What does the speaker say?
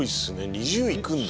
２０いくんだ。